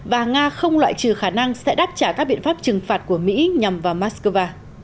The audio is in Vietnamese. và nga không loại trừ khả năng sẽ đáp trả các biện pháp trừng phạt của mỹ nhằm vào moscow